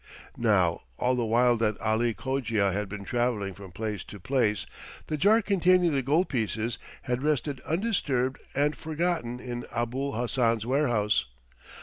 Now all the while that Ali Cogia had been travelling from place to place the jar containing the gold pieces had rested undisturbed and forgotten in Abul Hassan's warehouse.